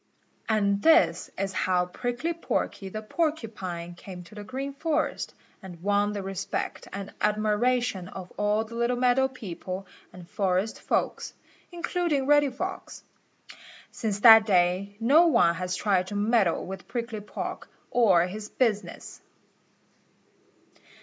And this is how Prickly Porky the Porcupine came to the Green Forest, and won the respect and admiration of all the little meadow people and forest folks, including Reddy Fox. Since that day no one has tried to meddle with Prickly Porky or his business.